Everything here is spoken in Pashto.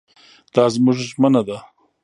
دا زموږ ژمنه ده.